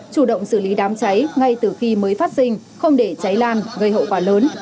chủ động xử lý đám cháy ngay từ khi mới phát sinh không để cháy lan gây hậu quả lớn